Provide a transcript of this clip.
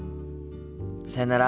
さよなら。